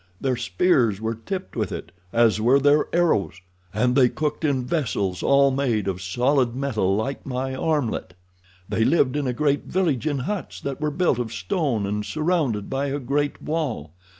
Their spears were tipped with it, as were their arrows, and they cooked in vessels made all of solid metal like my armlet. "They lived in a great village in huts that were built of stone and surrounded by a great wall.